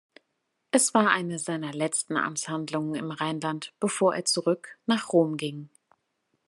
Es war eine seine letzten Amtshandlungen im Rheinland, bevor er zurück nach Rom ging.